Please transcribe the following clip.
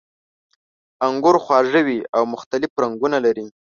انګور خواږه وي او مختلف رنګونه لري.